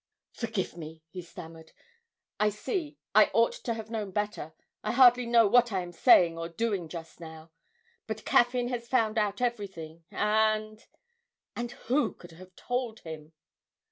'Forgive me!' he stammered. 'I see, I ought to have known better. I hardly know what I am saying or doing just now but Caffyn has found out everything, and and who could have told him?'